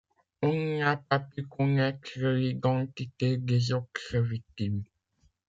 On n'a pas pu connaître l'identité des autres victimes.